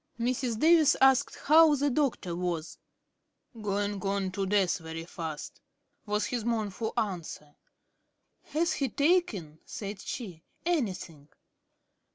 Mrs. Davis asked how the Doctor was. "Going on to death very fast," was his mournful answer. "Has he taken," said she, "anything?"